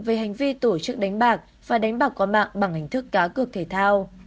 về hành vi tổ chức đánh bạc và đánh bạc qua mạng bằng hình thức cá cược thể thao